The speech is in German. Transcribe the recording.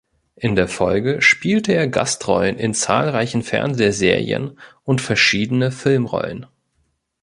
In der Folge spielte er Gastrollen in zahlreichen Fernsehserien und verschiedene Filmrollen.